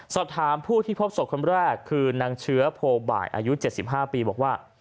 สอบถามผู้ที่พบศพคนแรกคือนางเชื้อโพบ่ายอายุ๗๕ปีบอกว่า